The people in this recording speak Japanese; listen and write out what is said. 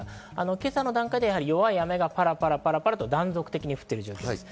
今朝の段階では弱い雨がパラパラと断続的に降ってる状況です。